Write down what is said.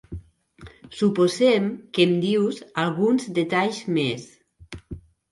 Suposem que em dius alguns detalls més.